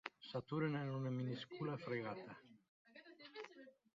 S'aturen en una minúscula fragata.